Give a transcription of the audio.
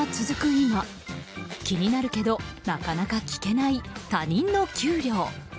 今気になるけどなかなか聞けない他人の給料。